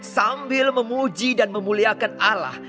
sambil memuji dan memuliakan ala